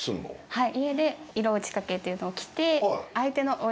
はい。